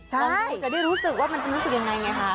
ใช่จะได้รู้สึกว่ามันรู้สึกยังไงไงคะ